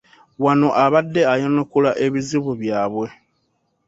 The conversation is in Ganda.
Wano abadde ayanukula ebizibu byabwe.